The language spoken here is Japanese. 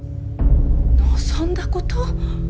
望んだこと？